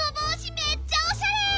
めっちゃおしゃれ！